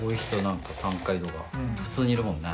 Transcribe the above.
普通にいるもんな。